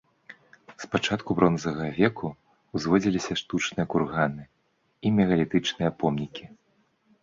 З пачатку бронзавага веку ўзводзіліся штучныя курганы і мегалітычныя помнікі.